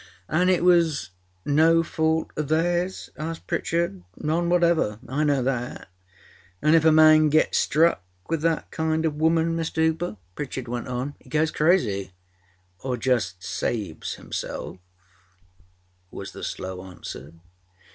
â âAnâ it was no fault oâ theirs?â asked Pritchard. âNone whatever. I know that!â âAnâ if a man gets struck with that kind oâ woman, Mr. Hooper?â Pritchard went on. âHe goes crazyâor just saves himself,â was the slow answer.